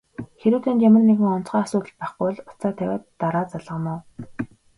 Хэрэв танд ямар нэг онцгой асуудал байхгүй бол утсаа тавиад дараа залгана уу?